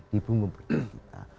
di bumi berdiri kita